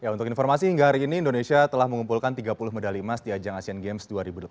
untuk informasi hingga hari ini indonesia telah mengumpulkan tiga puluh medali emas di ajang asean games dua ribu delapan belas